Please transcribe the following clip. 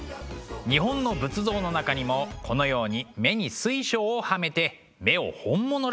日本の仏像の中にもこのように目に水晶をはめて目を本物らしく見せる技法があります。